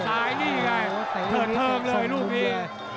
ซ้ายนี่ไงเผิดเทิงเลยลูกพี่